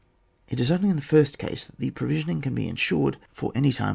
It is only in the first case that the pro visioning can be ensured for any time we CHAP, xm.